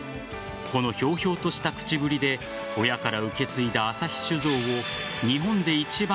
このひょうひょうとした口ぶりで親から受け継いだ旭酒造を日本で一番